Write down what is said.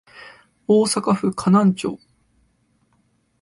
大阪府河南町